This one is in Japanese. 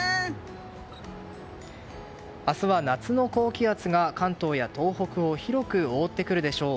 明日は夏の高気圧が関東や東北を広く覆ってくるでしょう。